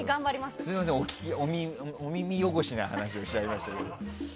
すみません、お耳汚しな話をしちゃいましたけど。